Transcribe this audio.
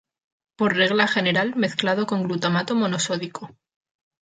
Por regla general mezclado con glutamato monosódico.